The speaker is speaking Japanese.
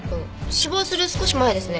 死亡する少し前ですね。